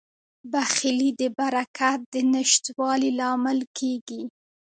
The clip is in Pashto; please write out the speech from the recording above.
بخیلي د برکت د نشتوالي لامل کیږي.